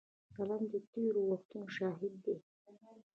قلم د تېر وختونو شاهد دی